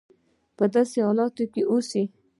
په داسې حالاتو کې اوسي.